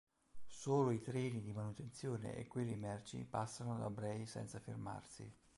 Solo i treni di manutenzione e quelli merci passano da Bray senza fermarsi.